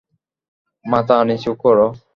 মাথা নিচু কর।